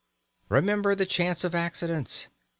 Remember the chance of accidents.